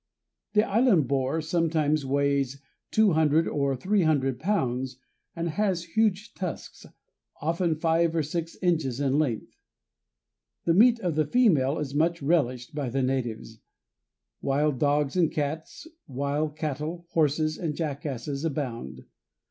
The island boar sometimes weighs 200 or 300 pounds and has huge tusks, often five or six inches in length. The meat of the female is much relished by the natives. Wild dogs and cats, wild cattle, horses, and jackasses abound.